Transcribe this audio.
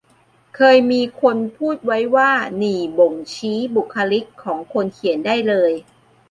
เคยมีคนพูดไว้ว่า นี่บ่งชี้บุคลิกของคนเขียนได้เลย